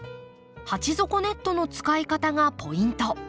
鉢底ネットの使い方がポイント。